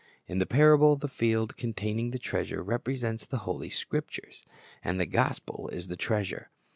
In the parable the field containing the treasure represents the Holy Scriptures. And the gospel is the treasure.